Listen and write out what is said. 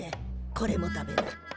これも食べな。